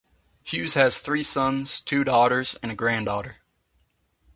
Hughes has three sons, two daughters, and a granddaughter.